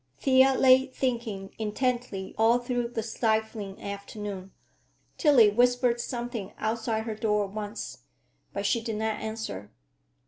Thea lay thinking intently all through the stifling afternoon. Tillie whispered something outside her door once, but she did not answer.